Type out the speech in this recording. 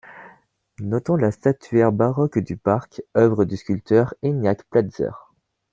Notons la statuaire baroque du parc, œuvre du sculpteur Ignác Platzer.